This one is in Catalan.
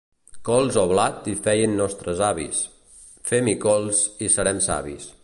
Cols o blat hi feien nostres avis, fem-hi cols i serem savis.